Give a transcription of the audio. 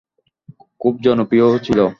খুব জনপ্রিয়ও ছিল।